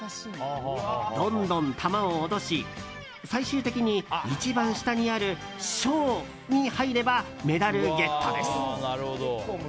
どんどん玉を落とし最終的に一番下にある「賞」に入ればメダルゲットです。